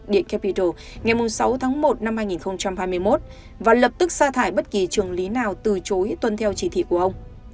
điện capital ngày sáu tháng một năm hai nghìn hai mươi một và lập tức xa thải bất kỳ trường lý nào từ chối tuân theo chỉ thị của ông